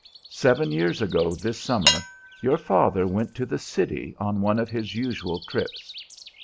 "Seven years ago this summer your father went to the city on one of his usual trips.